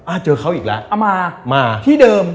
อ้าเจอเขาอีกแล้วอะมาที่เดิม